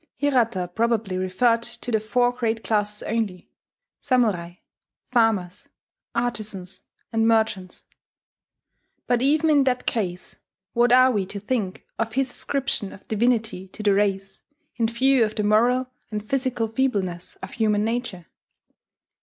Hirata probably referred to the four great classes only samurai, farmers, artizans, and merchants. But even in that case what are we to think of his ascription of divinity to the race, in view of the moral and physical feebleness of human nature?